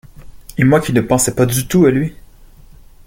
Et moi qui ne pensais pas du tout à lui!